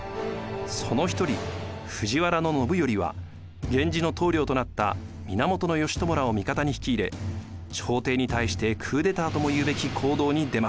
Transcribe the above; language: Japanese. その一人藤原信頼は源氏の棟梁となった源義朝らを味方に引き入れ朝廷に対してクーデターともいうべき行動に出ます。